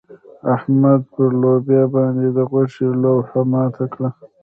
احمد پر لوبيا باندې د غوښې لوهه ماته کړه.